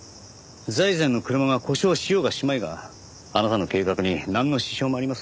財前の車が故障しようがしまいがあなたの計画になんの支障もありませんでした。